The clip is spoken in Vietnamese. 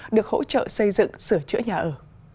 được hỗ trợ xây dựng sửa chữa nhà ở